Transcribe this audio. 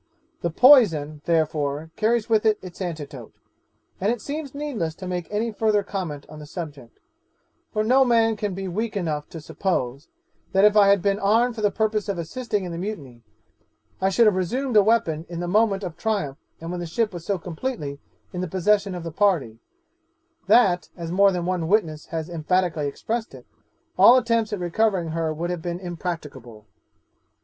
The poison, therefore, carries with it its antidote; and it seems needless to make any further comment on the subject, for no man can be weak enough to suppose, that if I had been armed for the purpose of assisting in the mutiny, I should have resumed a weapon in the moment of triumph, and when the ship was so completely in the possession of the party, that (as more than one witness has emphatically expressed it) all attempts at recovering her would have been impracticable.